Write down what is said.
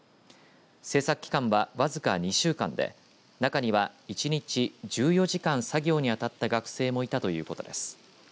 政策期間は僅か２週間で中には、１日１４時間作業に当たった学生もいたということです。